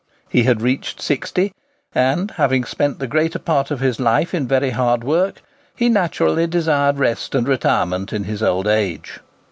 He had reached sixty, and, having spent the greater part of his life in very hard work, he naturally desired rest and retirement in his old age.